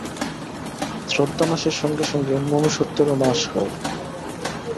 শ্রদ্ধানাশের সঙ্গে সঙ্গে মনুষ্যত্বেরও নাশ হয়।